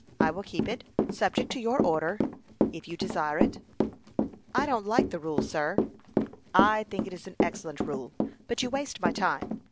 I will keep it, subject to your order, if you desire it." "I don't like the rule, sir." "I think it is an excellent rule. But you waste my time.